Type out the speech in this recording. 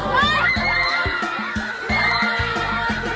ขอบคุณทุกคน